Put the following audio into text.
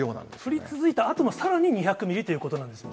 降り続いたあとのさらに２００ミリということなんですよ